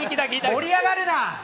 盛り上がるな！